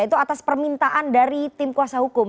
itu atas permintaan dari tim kuasa hukum